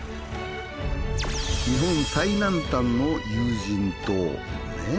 日本最南端の有人島ねぇ。